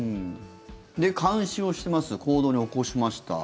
で、監視をしてます行動に起こしました。